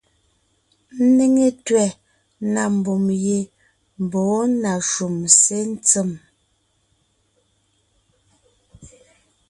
Ńnéŋe tẅɛ̀ na mbùm ye mbɔ̌ na shúm sé ntsèm.